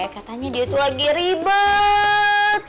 katanya dia itu lagi ribet